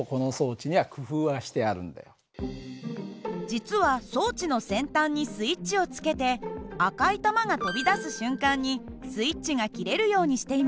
実は装置の先端にスイッチをつけて赤い球が飛び出す瞬間にスイッチが切れるようにしていました。